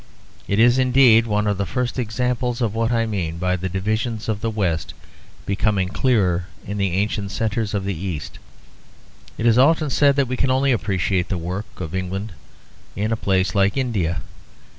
It is indeed one of the first examples of what I mean by the divisions of the West becoming clearer in the ancient centres of the East. It is often said that we can only appreciate the work of England in a place like India.